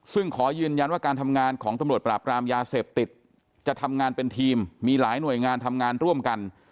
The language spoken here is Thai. ซึ่งขอยืนยันว่าการทำงานของตำรวจปราบรามยาเสพติดจะทำงานเป็นทีมมีหลายหน่วยงานทำงานร่วมกัน